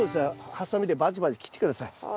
ハサミでバチバチ切って下さい。